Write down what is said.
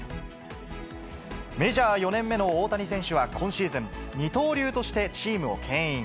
メジャー４年目の大谷選手は今シーズン、二刀流としてチームをけん引。